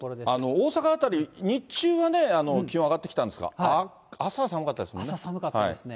大阪辺り、日中はね、気温上がってきたんですが、朝寒かったですね。